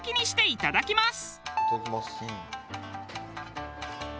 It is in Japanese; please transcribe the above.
いただきます。